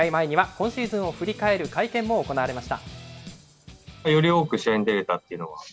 試合前には今シーズンを振り返る会見も行われました。